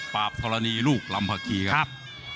ปาบธรานีลูกลำพะกี้ครับ